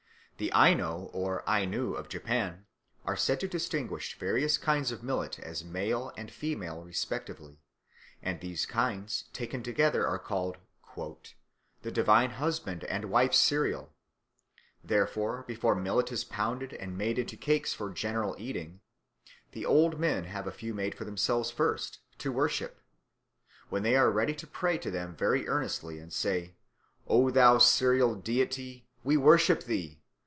The Aino or Ainu of Japan are said to distinguish various kinds of millet as male and female respectively, and these kinds, taken together, are called "the divine husband and wife cereal" (Umurek haru kamui). "Therefore before millet is pounded and made into cakes for general eating, the old men have a few made for themselves first to worship. When they are ready they pray to them very earnestly and say: 'O thou cereal deity, we worship thee.